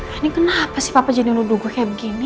ini kenapa sih papa jadi luduh gue kayak begini